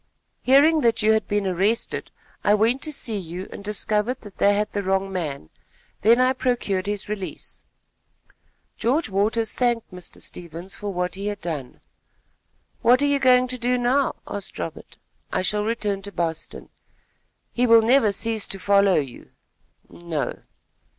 Hearing that you had been arrested, I went to see you and discovered that they had the wrong man; then I procured his release." George Waters thanked Mr. Stevens for what he had done. "What are you going to do now?" asked Robert. "I shall return to Boston." "He will never cease to follow you." "No."